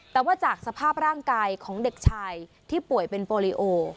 แต่ว่าจากสภาพร่างกายของเด็กชายที่ป่วยเป็นโปรลิโอ